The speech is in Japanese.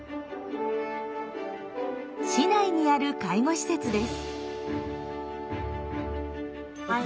市内にある介護施設です。